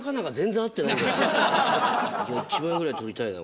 １枚ぐらい取りたいな